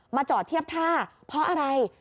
จอดเทียบท่าเพราะอะไร